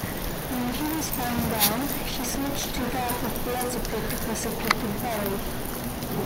When he was found out, he switched to that of philosophy professor Clifford Berry.